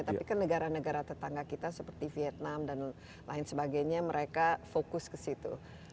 tapi kan negara negara tetangga kita seperti vietnam dan lain sebagainya mereka fokus ke situ